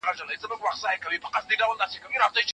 هغه څېړونکي وویل چې ټیکنالوژي به د لوږې ستونزه حل کړي.